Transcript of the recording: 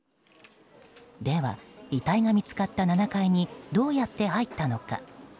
では遺体が見つかった７階にどうやって入ったのか。